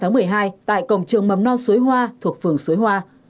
tháng một mươi hai tại cổng trường mầm non xuối hoa thuộc phường xuối hoa